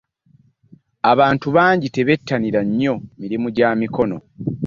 Abantu bangi tebettanira nnyo mirimu gyamikono.